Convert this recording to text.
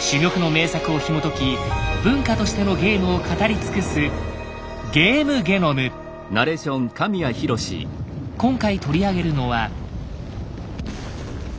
珠玉の名作をひもとき文化としてのゲームを語り尽くす今回取り上げるのは。